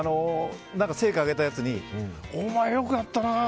成果を上げたやつにお前よくやったな！